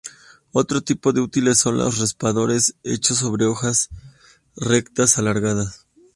Otro tipo de útiles son los raspadores, hechos sobre hojas rectas alargadas.